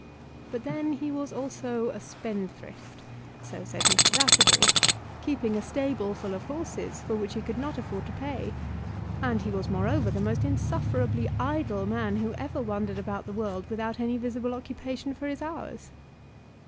But then he was also a spendthrift, so said Mrs. Atterbury, keeping a stable full of horses, for which he could not afford to pay; and he was, moreover, the most insufferably idle man who ever wandered about the world without any visible occupation for his hours.